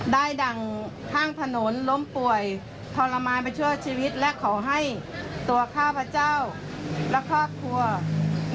ดั่งข้างถนนล้มป่วยทรมานไปชั่วชีวิตและขอให้ตัวข้าพเจ้าและครอบครัว